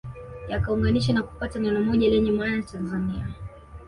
Yakaunganisha na kupata neno moja lenye maana ya Tanzania